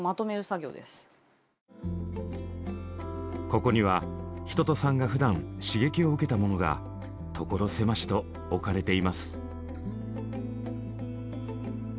ここには一青さんがふだん刺激を受けたものが所狭しと置かれています。